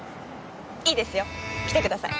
いいですよ来てください。